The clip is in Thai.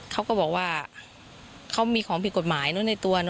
เขาก็บอกว่าเขามีของผิดกฎหมายเนอะในตัว